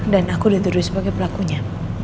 dan aku dituduh sebagai pelakunya